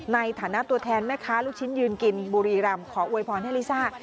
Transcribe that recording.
ในฐานะตัวแทนแม่ค้าลูกชิ้นยืนกินบุรีรำขออวยพรให้ลิซ่า